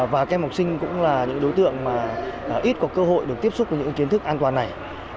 và các em học sinh cũng là những đối tượng mà ít có cơ hội được tiếp xúc với những kiến thức an toàn này